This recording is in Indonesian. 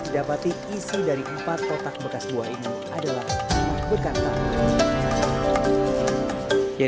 dapati isi dari empat kotak bekas buah ini adalah buah bekantan